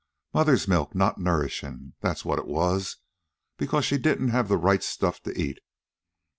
Mother's milk not nourishin', that's what it was, because she didn't have the right stuff to eat.